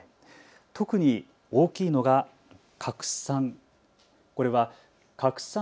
特に大きいのが拡散。